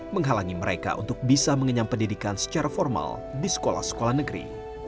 menghalangi mereka untuk bisa mengenyam pendidikan secara formal di sekolah sekolah negeri